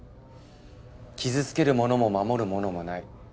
傷つけるものも守るものもない。